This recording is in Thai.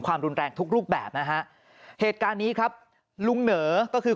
ความรุนแรงทุกรูปแบบนะฮะเหตุการณ์นี้ครับลุงเหนอก็คือ